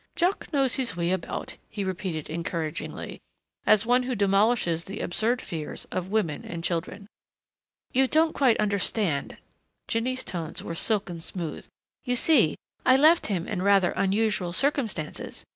"Jack knows his way about," he repeated encouragingly, as one who demolishes the absurd fears of women and children. "You don't quite understand." Jinny's tones were silken smooth. "You see, I left him in rather unusual circumstances.